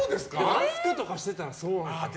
マスクとかしてたらそうなのかな。